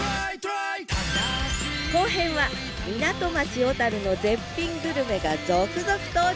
後編は港町小の絶品グルメが続々登場！